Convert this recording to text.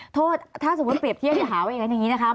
โทษถ้าสมมุติเปรียบเที่ยงอย่าหาไว้อย่างนี้นะคะ